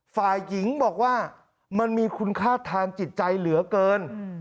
ฝ่ายหญิงบอกว่ามันมีคุณค่าทางจิตใจเหลือเกิน